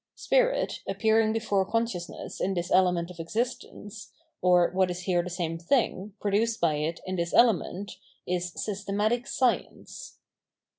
Spirit, appearing before consciousness in this element of existence, or, what is here the same thing, produced by it in this element, is systematic Science.